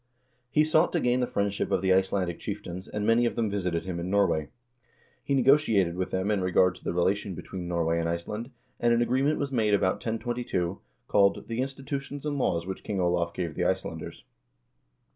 He sought to gain the friendship of the Icelandic chieftains, and many of them visited him in Norway. He negotiated with them in regard to the relation between Norway and Iceland, and an agreement was made about 1022, called "The Institutions and Laws Which King Olav Gave the Icelanders."